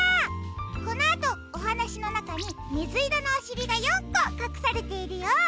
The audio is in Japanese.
このあとおはなしのなかにみずいろのおしりが４こかくされているよ。